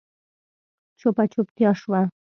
چوپه چوپتيا شوه.